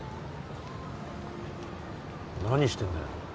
何してんだよ